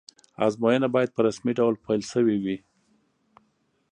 ازموینه باید په رسمي ډول پیل شوې وی.